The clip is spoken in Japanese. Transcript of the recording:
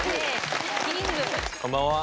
こんばんは。